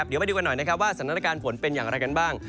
เดี๋ยวไปดูกันหน่อยนะครับว่าสถานการณ์ฝนเป็นอย่างไรกันบ้าง